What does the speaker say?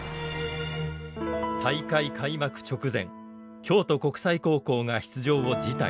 大会開幕直前京都国際高校が出場を辞退。